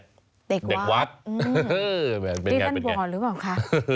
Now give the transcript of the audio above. เด็กวัดเป็นอย่างไรเป็นอย่างไรเด็กวัดหรือเปล่าคะ